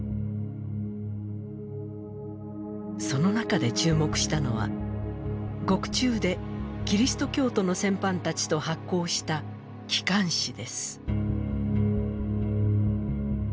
その中で注目したのは獄中でキリスト教徒の戦犯たちと発行した機関誌です。